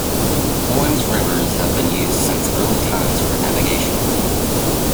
Poland's rivers have been used since early times for navigation.